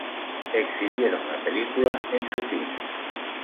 Exhibieron la película en su cine.